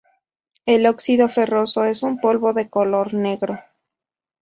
El óxido ferroso es un polvo de color negro.